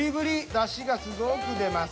だしがすごく出ます。